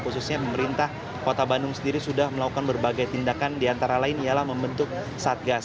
khususnya pemerintah kota bandung sendiri sudah melakukan berbagai tindakan diantara lain ialah membentuk satgas